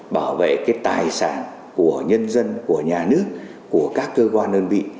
bảo vệ cái tài sản của nhân dân của nhà nước của các cơ quan đơn vị